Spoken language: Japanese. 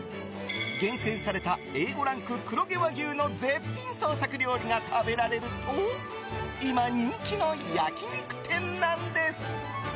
厳選されたＡ５ランク黒毛和牛の絶品創作料理が食べられると今、人気の焼き肉店なんです。